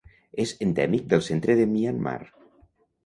És endèmic del centre de Myanmar.